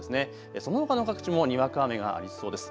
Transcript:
そのほかの各地もにわか雨がありそうです。